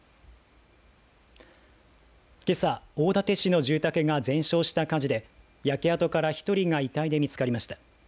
けさ、大館市の住宅が全焼した火事で焼け跡から１人が遺体で見つかりました。